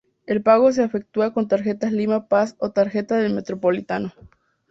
El pago se efectúa con tarjeta Lima Pass o tarjeta del Metropolitano.